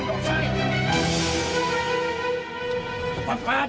melayu melayu melayu